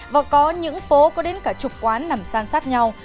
và có những phố có đến cả chục quán nằm san sát nhau